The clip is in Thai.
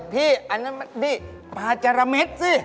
พี่ปลาจาระเม็ดซิ